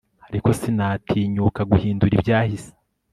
ariko sinatinyuka guhindura ibyahise